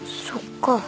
そっか